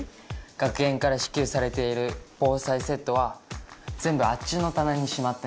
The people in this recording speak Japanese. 学園から支給されている防災セットは全部あっちの棚にしまってね。